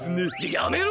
やめろ！